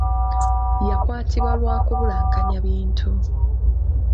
Yakwatibwa lwa kubulankanya bintu.